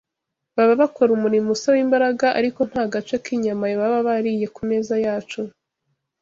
Baba bakora umurimo usaba imbaraga, ariko nta n’agace k’inyama baba bariye ku meza yacu